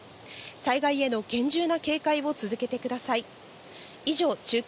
災害への厳重な警戒を続けてください。